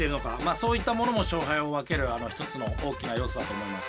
そういったものも勝敗を分ける一つの大きな要素だと思います。